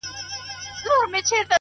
دا خپله وم.